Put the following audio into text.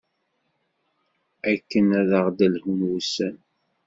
Akken ad aɣ-d-lhun wusan.